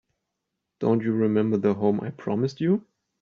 Don't you remember the home I promised you?